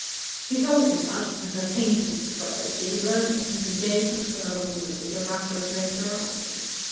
She told him that, to her painful surprise, she had learnt that his engagement to another woman was a matter of notoriety.